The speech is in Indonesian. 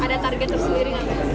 ada target tersendiri